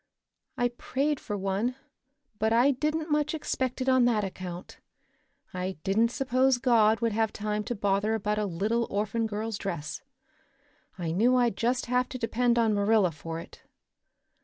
"I prayed for one, but I didn't much expect it on that account. I didn't suppose God would have time to bother about a little orphan girl's dress. I knew I'd just have to depend on Marilla for it.